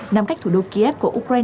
nằm cách thủ đô kiev của ukraine